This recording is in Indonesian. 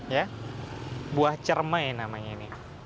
ya buah cermai namanya ini